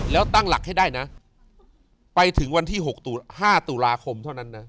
แล้วตั้งหลักให้ได้นะไปถึงวันที่๖๕ตุลาคมเท่านั้นนะ